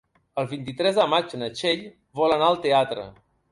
El vint-i-tres de maig na Txell vol anar al teatre.